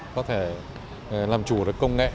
có thể làm chủ được công nghệ